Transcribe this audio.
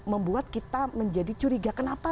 membuat kita menjadi curiga kenapa